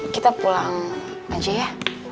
kita pulang aja ya